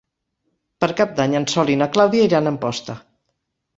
Per Cap d'Any en Sol i na Clàudia iran a Amposta.